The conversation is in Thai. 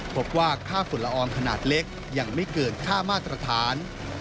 พบว่าค่าฝุ่นละอองขนาดเล็กยังไม่เกินค่ามาตรฐาน